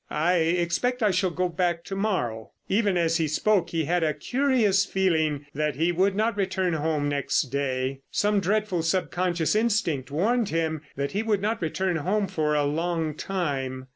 "I expect I shall go back to morrow." Even as he spoke he had a curious feeling that he would not return home next day. Some dreadful sub conscious instinct warned him that he would not return home for a long time.